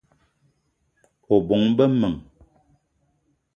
O bóng-be m'men